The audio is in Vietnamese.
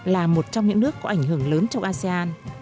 là một trong những nước có ảnh hưởng lớn trong asean